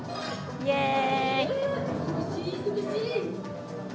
イエーイ！